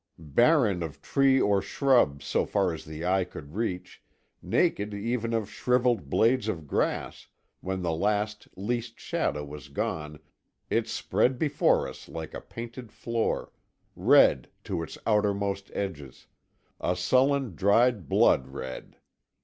Barren of tree or shrub so far as the eye could reach, naked even of shriveled blades of grass, when the last, least shadow was gone it spread before us like a painted floor; red to its outermost edges, a sullen dried blood red.